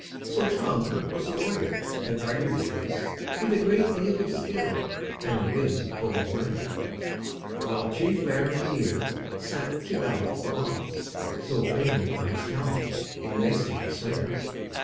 So Tongue was the lawyer, and argued the cause With a great deal of skill, and a wig full of learning; While chief baron Ear sat to balance the laws, So famed for his talent in nicely discerning.